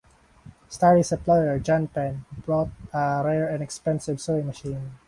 Starley's employer, John Penn, bought a rare and expensive sewing machine.